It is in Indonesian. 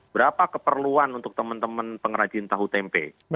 berapa keperluan untuk teman teman pengrajin tahu tempe